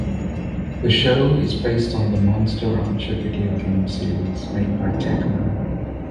The show is based on the "Monster Rancher" video game series made by Tecmo.